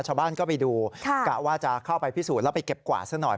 ชาวบ้านก็ไปดูกะว่าจะเข้าไปพิสูจน์แล้วไปเก็บกวาดซะหน่อย